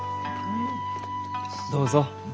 どうぞ。